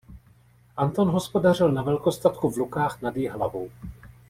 Anton hospodařil na velkostatku v Lukách nad Jihlavou.